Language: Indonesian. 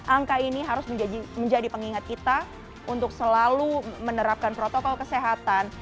angka ini harus menjadi pengingat kita untuk selalu menerapkan protokol kesehatan